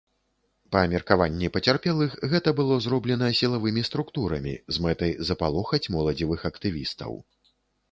Па меркаванні пацярпелых, гэта было зроблена сілавымі структурамі з мэтай запалохаць моладзевых актывістаў.